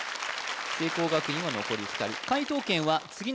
聖光学院は残り２人あ